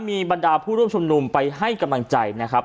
มีบรรดาผู้ร่วมชุมนุมไปให้กำลังใจนะครับ